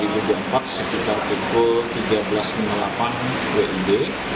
pembegalan ini terjadi pada jam dua mei sekitar jam tiga belas lima puluh delapan wib